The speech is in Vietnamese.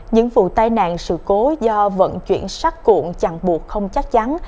những vụ tai nạn sự cố do vận chuyển sắt cuộn ràng buộc không chắc chắn